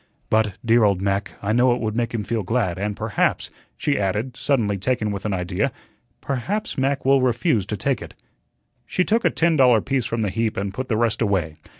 But, dear old Mac, I know it would make him feel glad, and perhaps," she added, suddenly taken with an idea, "perhaps Mac will refuse to take it." She took a ten dollar piece from the heap and put the rest away.